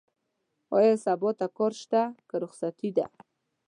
ايا سبا ته کار شته؟ که رخصتي ده؟